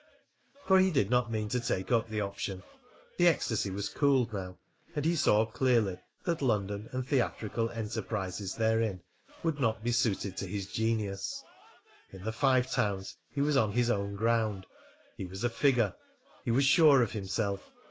For he did not mean to take up the option. The ecstasy was cooled now, and he saw clearly that London and theatrical enterprises therein would not be suited to his genius. In the Five Towns he was on his own ground; he was a figure; he was sure of himself.